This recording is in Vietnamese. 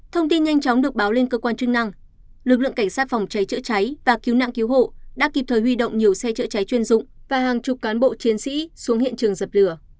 thông tin nhanh chóng được báo lên cơ quan chức năng lực lượng cảnh sát phòng cháy chữa cháy và cứu nạn cứu hộ đã kịp thời huy động nhiều xe chữa cháy chuyên dụng và hàng chục cán bộ chiến sĩ xuống hiện trường dập lửa